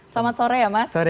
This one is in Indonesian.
selamat sore ya mas